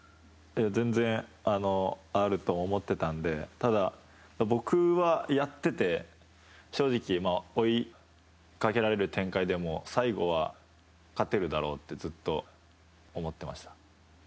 全然あると思ってたんでただ、僕はやってて正直追いかけられる展開でも最後は勝てるだろうってずっと思ってました。